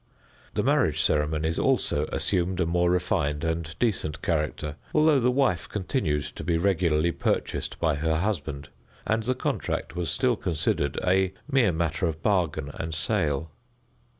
The marriage ceremonies also assumed a more refined and decent character, although the wife continued to be regularly purchased by her husband, and the contract was still considered a mere matter of bargain and sale.